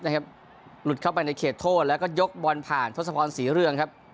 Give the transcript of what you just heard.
หลุดเข้าไปในเขตโทษแล้วก็ยกบอลผ่านทศพรศรีเรืองครับ